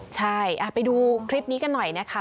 ใช่ไปดูคลิปนี้กันหน่อยนะคะ